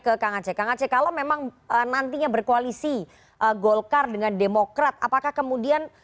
ke kang aceh kang aceh kalau memang nantinya berkoalisi golkar dengan demokrat apakah kemudian